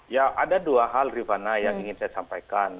ya ada dua hal rivana yang ingin saya sampaikan